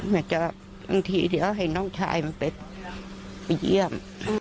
อยากจะบางทีเดี๋ยวให้น้องชายมันไปเยี่ยม